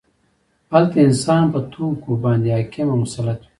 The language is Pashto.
هلته انسان په توکو باندې حاکم او مسلط وي